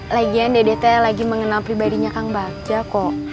lagian dedetnya lagi mengenal pribadinya kang bagja kok